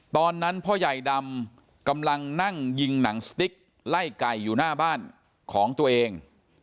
ตอนนั้นพ่อใหญ่ดำกำลังนั่งยิงหนังสติ๊กไล่ไก่อยู่หน้าบ้านของตัวเอง